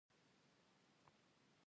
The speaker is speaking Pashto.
راشد خان اوس نړۍوال ستوری دی.